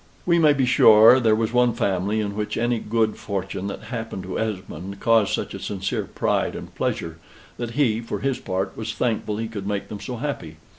We may be sure there was one family in which any good fortune that happened to Esmond caused such a sincere pride and pleasure, that he, for his part, was thankful he could make them so happy.